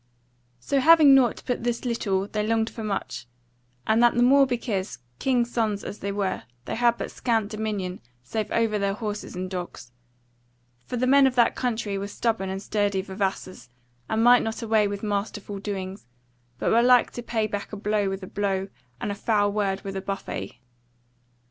So having nought but this little they longed for much; and that the more because, king's sons as they were, they had but scant dominion save over their horses and dogs: for the men of that country were stubborn and sturdy vavassors, and might not away with masterful doings, but were like to pay back a blow with a blow, and a foul word with a buffet.